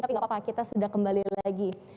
tapi gak apa apa kita sudah kembali lagi